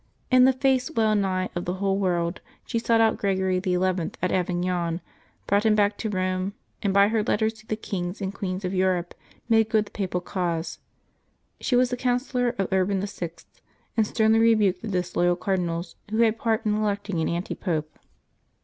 In the face well nigh of the whole world she sought out Gregory XI. at Avignon, brought him back to Eome, and by her letters to the kings and queens of Europe made good the Papal cause. She was the counsellor of Urban VI., and sternly rebuked the disloyal cardinals who had part in electing an antipope.